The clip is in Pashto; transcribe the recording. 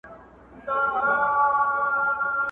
خبره دا ده، هيڅ خبره نه ده